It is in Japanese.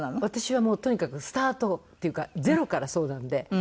私はとにかくスタートっていうかゼロからそうなので。